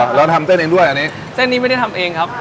เราทำเส้นเองด้วยอันนี้เส้นนี้ไม่ได้ทำเองครับ